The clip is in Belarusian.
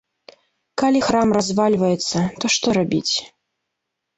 Але калі храм развальваецца, то што рабіць.